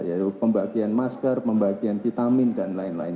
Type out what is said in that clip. yaitu pembagian masker pembagian vitamin dan lain lain